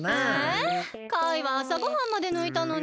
えカイはあさごはんまでぬいたのに。